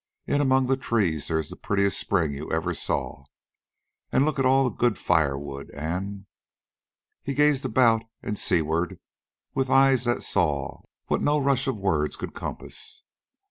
In among the trees there is the prettiest spring you ever saw. An' look at all the good firewood, an'..." He gazed about and seaward with eyes that saw what no rush of words could compass.